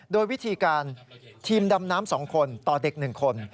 โดยวิธีการทีมดำน้ำ๒คนต่อเด็ก๑คน